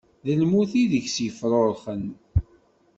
D lmut i deg-s yefrurxen.